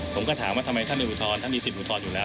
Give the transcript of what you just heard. ผมก็ถามว่าทำไมท่านไม่อุทธรณท่านมีสิทธิอุทธรณ์อยู่แล้ว